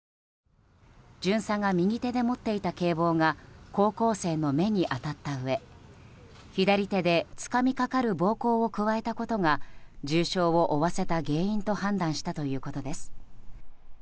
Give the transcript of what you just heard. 巡査が右手で持っていた警棒が高校生の目に当たったうえ左手でつかみかかる暴行を加えたことが重傷を負わせた原因と判断したということです。